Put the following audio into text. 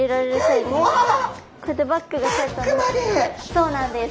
そうなんです。